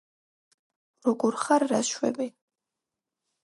როგორ ხარ რას შვები